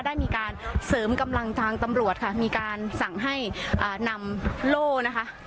ได้มีการเสริมกำลังทางตำรวจค่ะมีการสั่งให้นำโล่นะคะ